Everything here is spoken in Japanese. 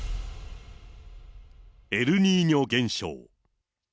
エルニーニョ現象。